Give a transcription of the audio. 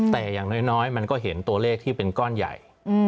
แต่อย่างน้อยมันก็เห็นตัวเลขที่เป็นก้อนใหญ่